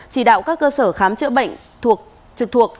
chỉ đạo các cơ sở khám chữa bệnh thuộc trực thuộc